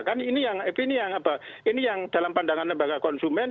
kan ini yang ini yang apa ini yang dalam pandangan lembaga konsumen